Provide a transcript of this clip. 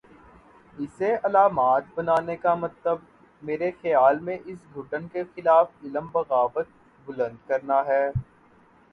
اسے علامت بنانے کا مطلب، میرے خیال میں اس گھٹن کے خلاف علم بغاوت بلند کرنا ہے۔